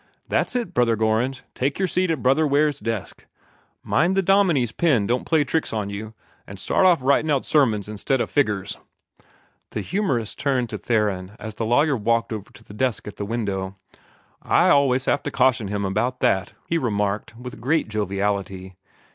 "That's it, Brother Gorringe, take your seat at Brother Ware's desk. Mind the Dominie's pen don't play tricks on you, an' start off writin' out sermons instid of figgers." The humorist turned to Theron as the lawyer walked over to the desk at the window. "I allus have to caution him about that," he remarked with great joviality.